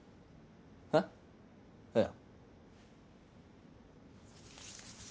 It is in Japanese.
えっ？いや。